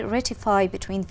đã tăng đến tám mươi năm